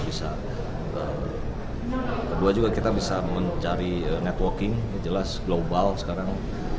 dan kedua juga kita bisa mencari networking jelas global sekarang